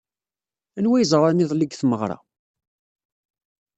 Anwa ay ẓran iḍelli deg tmeɣra?